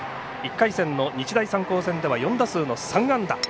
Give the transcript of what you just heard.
１回戦の日大三高戦では４打数の３安打。